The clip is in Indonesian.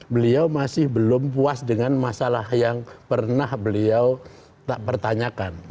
beliau masih belum puas dengan masalah yang pernah beliau tak pertanyakan